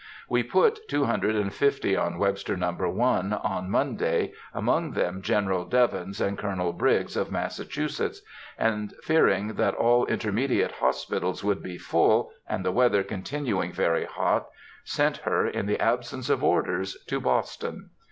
We put two hundred and fifty on Webster No. 1 on Monday, among them General Devens and Colonel Briggs of Massachusetts, and, fearing that all intermediate hospitals would be full, and the weather continuing very hot, sent her, in the absence of orders, to Boston.